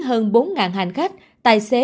hơn bốn hành khách tài xế